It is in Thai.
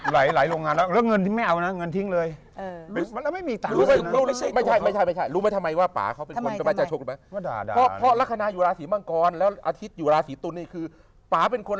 หลายโรงงานแล้วแล้วเงินที่ไม่เอานะเงินทิ้งเลย